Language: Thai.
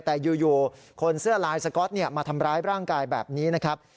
แต่อยู่คนเสื้อลายสก๊อตมาทำร้ายร่างกายแบบนี้นะครับ